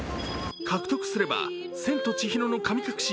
獲得すれば「千と千尋の神隠し」